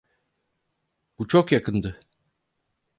Bu çok yakındı.